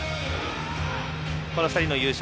この２人の優勝